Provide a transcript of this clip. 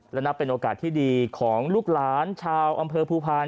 และนับเป็นโอกาสที่ดีของลูกหลานชาวอำเภอภูพาล